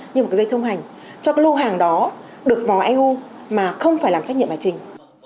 như một cái dây thông hành cho cái lô hàng đó được vào eu mà không phải làm trách nhiệm bà trình